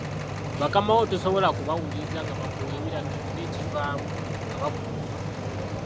Bakamaabo tosobola kubawuliririza nga bakuwa ebiragiro era ekivaamu nga bakugoba.